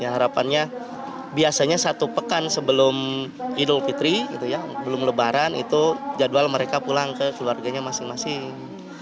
harapannya biasanya satu pekan sebelum idul fitri belum lebaran itu jadwal mereka pulang ke keluarganya masing masing